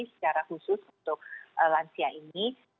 secara khusus untuk lansia ini